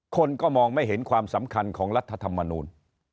คนก็มองไม่เห็นความสำคัญของรัฐธรรมนูล